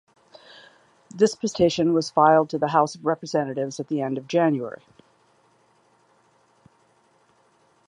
This petition was filed to the House of Representatives at the end of January.